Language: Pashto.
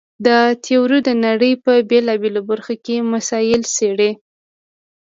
دا تیوري د نړۍ په بېلابېلو برخو کې مسایل څېړي.